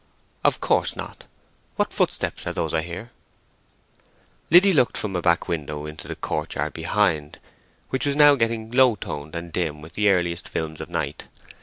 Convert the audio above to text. "Of course not—what footsteps are those I hear?" Liddy looked from a back window into the courtyard behind, which was now getting low toned and dim with the earliest films of night.